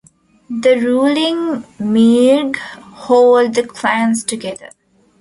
The ruling Meargh hold the clans together.